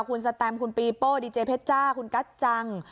คุณสแตมคุณปีโป้ดีเจเพชจ้าคุณกัจจัง